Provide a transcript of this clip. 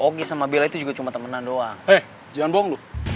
oke sama beli juga cuma temenan doang jangan bohong